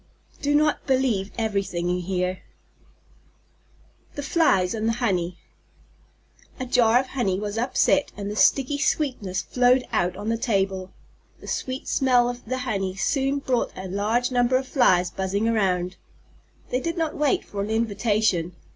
Do not believe everything you hear. THE FLIES AND THE HONEY A jar of honey was upset and the sticky sweetness flowed out on the table. The sweet smell of the honey soon brought a large number of Flies buzzing around. They did not wait for an invitation.